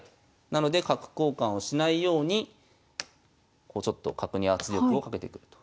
なので角交換をしないようにちょっと角に圧力をかけてくると。